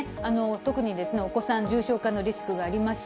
特にお子さん、重症化のリスクがあります。